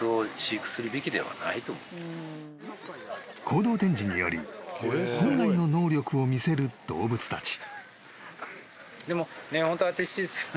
［行動展示により本来の能力を見せる動物たち］